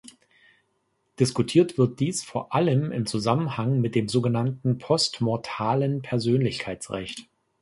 Diskutiert wird dies vor allem im Zusammenhang mit dem so genannten postmortalen Persönlichkeitsrecht.